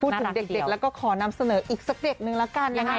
พูดถึงเด็กแล้วก็ขอนำเสนออีกสักเด็กนึงละกันนะครับ